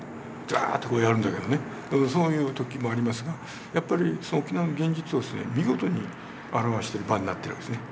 ザアーッとこうやるんだけどねそういう時もありますがやっぱり沖縄の現実を見事に表してる場になってるわけですね。